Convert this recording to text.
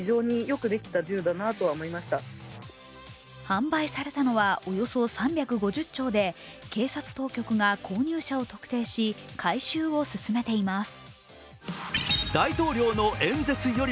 販売されたのはおよそ３５０丁で警察当局が購入者を特定し回収を進めています。